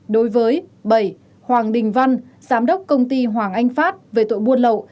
đối với bảy hoàng đình văn giám đốc công ty hoàng anh phát về tội buôn lậu